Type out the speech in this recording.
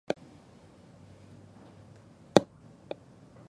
ピアウイ州の州都はテレジーナである